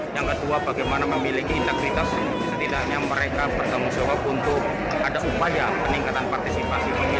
yang kedua bagaimana memiliki integritas setidaknya mereka bertanggung jawab untuk ada upaya peningkatan partisipasi ini